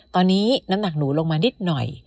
ตอนนี้น้ำหนักหนูลงมานิดหน่อย